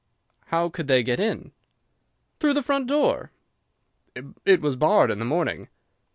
"How could they get in?" "Through the front door." "It was barred in the morning."